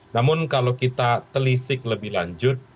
namun kalau kita telisik lebih lanjut